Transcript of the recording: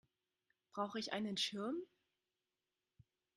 Brauche ich einen Schirm?